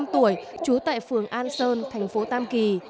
chín mươi năm tuổi trú tại phường an sơn thành phố tam kỳ